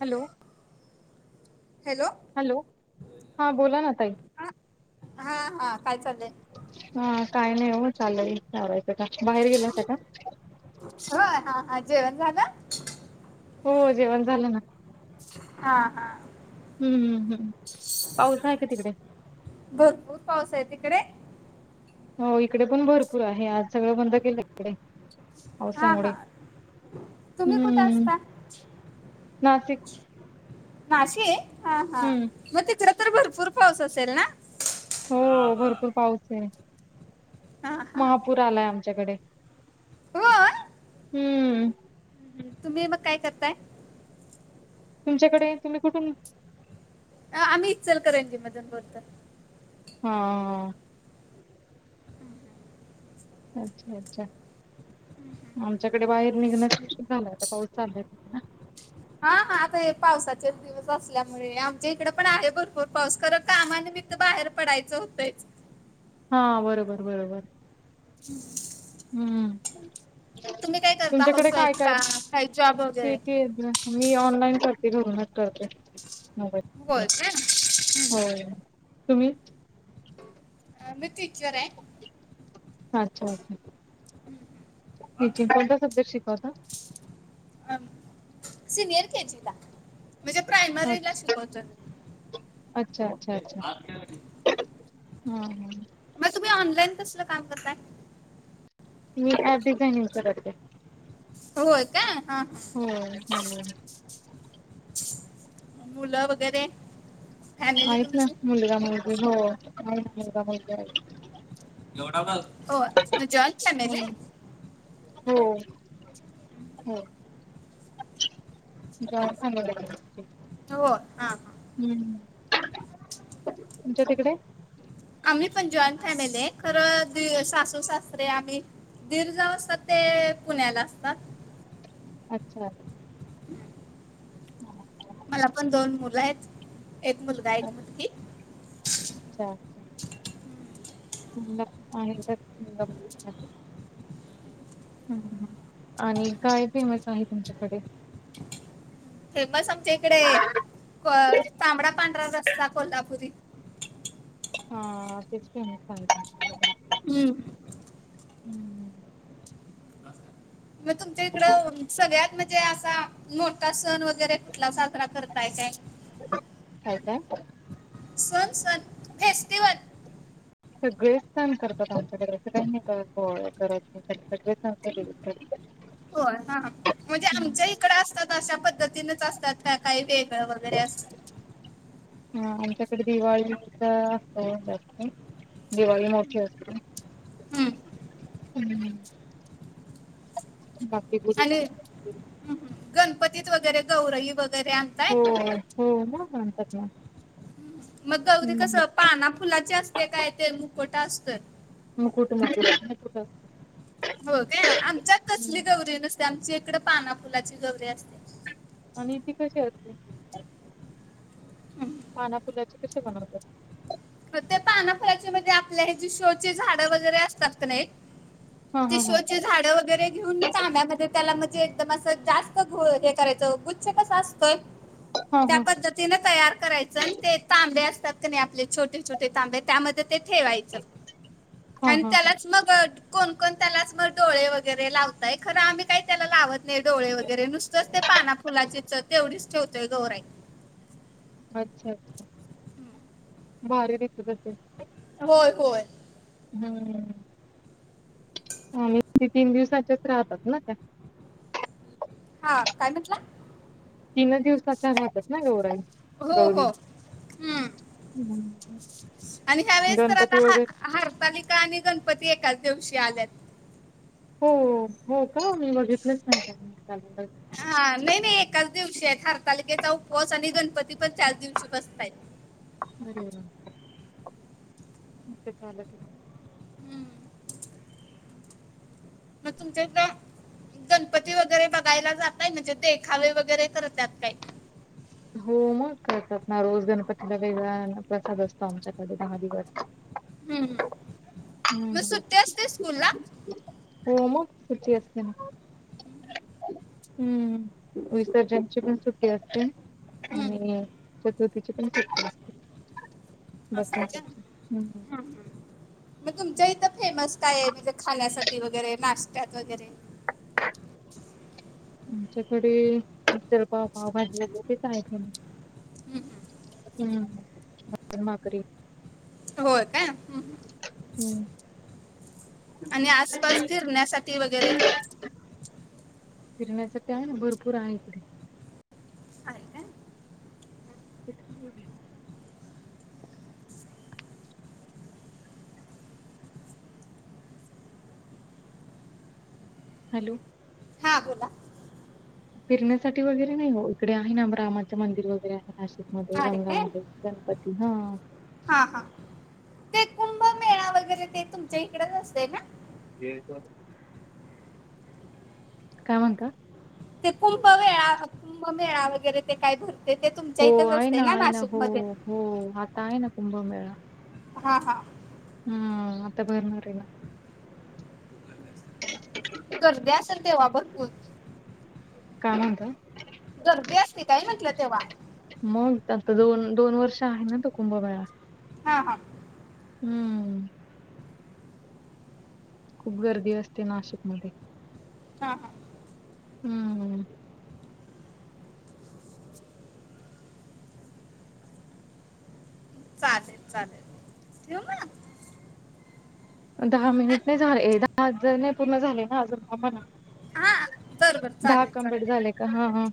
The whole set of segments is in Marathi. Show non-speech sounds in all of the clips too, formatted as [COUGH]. हॅलो हॅलो हॅलो हां बोला ना ताई. ह हा हा काय चाललय? हा काही नाही ओ चाललयं आवरायचं का बाहेर गेल्या होत्या का? होय हा हा जेवण झालं? हो जेवण झालं ना. हा हा. हम्म हम्म हम्म पाऊस आहे का तिकडे भरपूर पाऊस आहे तिकडे? हो इकडे पण भरपूर आहे आज सगळं बंद केलं इकडे. हा पावसामुळे हा तुम्ही कुठं हम्म असता नाशिक. नाशि हा हा हम्म मग तिकड तर भरपूर पाऊस असेल ना. हो भरपूर पाऊस आहे हा महापूर आलाय आमच्याकडे. हो. हम्म. तुम्ही मग काय करताय? तुमच्याकडे तुम्ही कुठून? आ आम्ही इचलकरंजी मधून बोलतो. हा. अच्छा अच्छा. आमच्याकडे बाहेर निघणचं मुश्किल झालय आता पाऊस चालुये सध्या. हा हा आता हे पावसाचे दिवस असल्यामुळे आमच्या इकड पण आहे भरपूर पाऊस खरं कामा निमित्त तर बाहेर पडायचं होतंयच. हा बरोबर बरोबर. [INAUDIBLE] हम्म तुम्ही काय करता तुमच्याकडे हाऊस काय वाईफ काय का काही जॉब वगैरे शेती आहे? मी ऑनलाईन करते घरूनच करते मोबाईल. होय काय हो. तुम्ही? मी टीचर आहे. अच्छा. टीचिंग कोणता सब्जेक्ट शिकवता? हा सिनियर केजी ला. म्हणजे प्रायमरीला अच्छा शिकवतो? हम्म हम्म. मग तुम्ही ऑनलाईन कसलं काम करताय? मी ॲप डिझाईनिंग करते. होय का हा. हो हो. मुलं वगैरे. फॅमिली आहेतच ना तुमची मुलगा मुलगी हो नाही ना मुलगा मुलगी आहे. वढ हो ना जॉईन फॅमिली. हो हो. दवाखाना. हो हा. हम्म. तुमच्या तिकडे? आम्ही पण जॉईंट फॅमिली आहे खरं सासू सासरे आम्ही. देर जाऊ सध्या ते पुण्याला असतात. अच्छा. [UNINTELLIGIBLE] मला पण दोन मुलं आहेत. एक मुलगा आहेत मुलगी. अच्छा. [INAUDIBLE] हम्म हम्म आणि काय फेमस आहे तुमच्याकडे? फेमस आमच्या इकडे तांबडा पांढरा रस्सा कोल्हापुरी. [UNINTELLIGIBLE] हम्.. हम् हं.. मग तुमच्या इकड सगळ्यात म्हणजे असा मोठा सण वगैरे कुठला साजरा करत काय? काय? काय? काय? सण सण फेस्टिवल. सगळेच सण करतात. आमच्याकडे असं का करत सगळे हो हा ह.. म्हणजे आमच्या इकड असतात अशा पद्धतीनेच असतात का काही वेगळं वगैरे असत हा आमच्याकडे दिवाळीचा असतो जास्त. दिवाळी मोठी असते हम्म. हम्.. [INAUDIBLE] आणि वगैरे गणपतीत वगैरे गौरई वगैरे, हो हो ना म्हणतात ना. मग हम्म कस पाना फुलाची असते काय ते मुखवटा असतोय? मुकुट मुकुट मुकुठ. हो काय, आमच्यात कसली हम्म गौरी नसती आमच्या हिकडं पाना फुलाची गौरी असते. आणि ती कशी असते, पाना फुलाची कशे बनवत्यात? ते पानापलाच्या म्हंजे आपल्या हे जी शो ची झाडं वगैरे असतात ना क नाय हा ती हा हा शो ची झाडं वगैरे घेऊन चांब्यामध्ये त्याला म्हणजे एकदम असं जास्त घोळ हे करायचं गुच्छ कसा असतोय हा त्या हा पद्धतीन तयार करायचं. अन् ते तांब्या असतात क नाय आपले छोटे छोटे तांबे त्यामध्ये ते ठेवायचं हा आणि हा हा त्यालाच मग कोणकण त्यालाच मग डोळे वगैरे लावतय, खरं आम्ही काय त्याला लावत नाय डोळे वगैरे नुसतंच ते पाना फुलाचीच तेवढीच ठेवतोय गौराई. अच्छा अच्छा, भारी दिसत असेल? होय होय. हम्म, आणि ती तीन दिवसाच्याच राहतात ना त्या? हा काय म्हटला? तीनच दिवसाच्या राहतात ना गौराई? हो गौरी हो हम्म हम्म. आणि ह्या वेळेस तर आता गणपती हा वगैरे -हारतालिका आणि गणपती एकाच दिवशी आल्यात. हो हो का मी बघितलंच नाय कॅलेंड्रात. हा नाय नाय एकाच दिवशी आयत हारतालिकेचा उपवास आणि गणपती पण त्याच दिवशी बसतायत. अरे वा. मग तेच आलं की नाय? हम्म. म तुमच्या हिकडं गणपती वगैरे बघायला जातय म्हणजे देखावे वगैरे करत्यात काय? होम मग करतात ना रोज गणपतीला वेगळा अन्न प्रसाद असतो आमच्याकडे दहा दिवस. हम्म, म हम्म सुट्टी असते स्कूल ला? हो म सुट्टी असते ना. हम्म, विसर्जनची पण सुट्टी असते. हम्म. आणि प्रकृतीची पण [UNINTELLIGIBLE] असते लागते का हम्म. मग तुमच्या इथं फेमस काय आय म्हणजे खाण्यासाठी वगैरे नाष्ट्यात वगैरे? आमच्याकडे मिसळ पाव, पावभजी वगैरे तेच आयटम. हम्म. हम्म, मटन भाकरी. हो का, हम् हम्. हम्म. आणि आसपास फिरण्यासाठी वगैरे? फिरण्यासाठी आहे ना भरपूर आहे इकडे. आहे काय? [INAUDIBLE] हॅलो. हा बोला. फिरण्यासाठी वगैरे नाय वो इकडे आहे ना रामाचे मंदिर वगैरे आहे नाशिकमध्ये अरे गंगा काय आहे, गणप ती हा. हा हा. ते कुंभमेळा वगैरे ते तुमच्या इकडेच असते ना हे सर काय म्हणत ते कुंभ वेळा कुंभमेळा वगैरे ते काय भरते ते तुमच्या हो इथेच आहे असते ना आहे ना हो, नाशिकमध्ये हो आता आहे ना कुंभमेळा हा, हा हम आता भरणारय, भरणारय [UNINTELLIGIBLE] गर्दी असेल तेव्हा भरपूर का म्हणता गर्दी असती काय म्हटलं तेव्हा मग आता दोन, दोन वर्ष आहे ना तो कुंभमेळा हा, हा हम्म खूप गर्दी असते नाशिकमध्ये हा, हा हम्म चालेल, चालेल [UNINTELLIGIBLE] दहा मिनिट अ- नाही झाले ये दहा नाही पूर्ण झाले ना अजून बघा ना हा बरं बरं दहा चालेल कमप्लीट चालेल झाले का हा, हा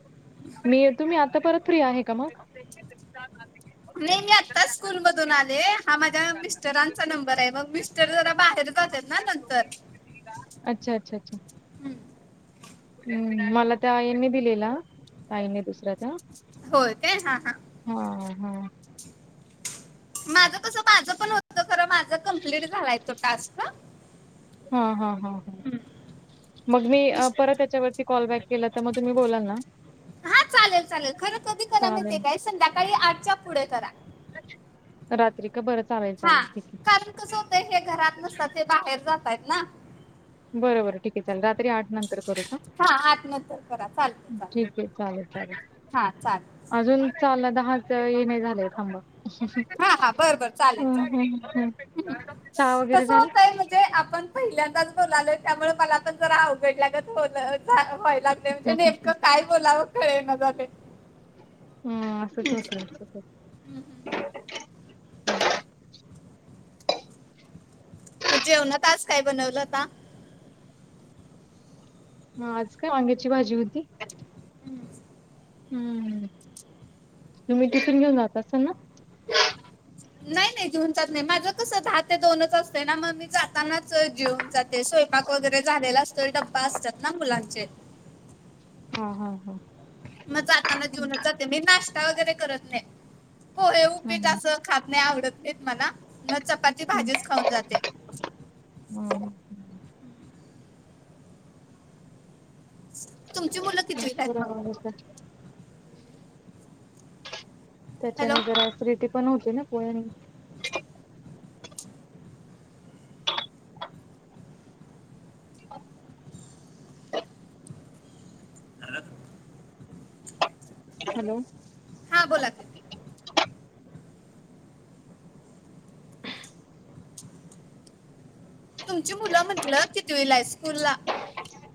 मी तुम्ही आता परत फ्री आहे का मग नाई मी आत्ताच स्कूल मधून आले हा माझ्या मिस्टरांचा नंबर आहे मग मी स्टर जरा बाहेर जातेत ना नंतर अच्छा, अच्छा, अच्छा हम्म. हम्म मला त्या आईनने दिलेला आईने दुसऱ्या त्या होय काय हा, हा हा, हा माझ कसं माझं पण होत खर माझ कंप्लीट झालाय तो टास्क हा, हा, हा मग मी मिस्टर परत त्याच्यावरती कॉल बॅक केला मग तुम्ही बोलाल ना तर चालेल खरं कधी करा माहिती चालेल काय संध्याकाळी आठच्या पुढे करा रात्री का बरं चालेय चालतंय ठीक आहे ते घरात नसतात ते बाहेर जातायत ना बरं, बरं ठीक आहे चाल रात्री आठ नंतर बरं का हा आठ नंतर करा चालतंय ठीक चालेल आहे चालेल, चालेल हा चालेल अजून चालला दहाच ये नाही झालंय थांबा हा, हा बर, बर चालेल, हम्म, हम्म, हम्म. चालेल चहा वगैरे कसं झाला होतय म्हणजे आपण पहिल्यांदाच बोलाल त्यामुळे मला पण जरा अवघडल्या होण व्हायलागलय क हम्म, नाई क हम्म, काय बोलावं कळे ना झालय हम् असंच होतं मग जेवणात आज काय बनवला होता ह आज काय वांग्याची भाजी होती हम्म तुम्ही टिफीन घेऊन जात असाल ना नाही, नाही घेऊन जात नाही माझं कस दहा ते दोनच असतय ना मग मी जातानाच जेऊन जात ते स्वयंपाक वगैरे झालेला असतोय डब्बा असत्यात ना मुलांचे हा- हा- हा मग जाताना जेवूनच जाते मी नाश्ता वगैरे करत नाही पोहे उपीट हम्म अस खात नाही आवडत नाही मला मग चपाती भाजीच खाऊन जाते हम तुमची मुलं कितवीला आहेत मग [INAUDIBLE] हॅलो त्याच्याने जरा ऍसिडिटी पणं होते ना पोह्याने [INAUDIBLE] हॅलो हा बोला की तुमची मुलं म्हटल कितवीला आहेत स्कूल ला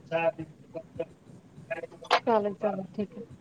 [INAUDIBLE] चालेल-चालेल ठीक आहे